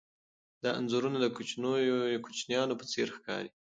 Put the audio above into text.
دا انځورونه د کوچنیانو په څېر ښکاري.